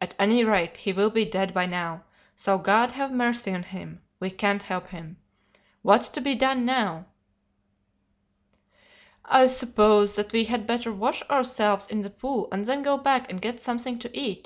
'At any rate he will be dead by now, so God have mercy on him, we can't help him. What's to be done now?' "'I suppose that we had better wash ourselves in the pool, and then go back and get something to eat.